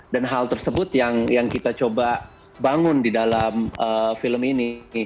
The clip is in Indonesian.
dan hal tersebut yang kita coba bangun di dalam film ini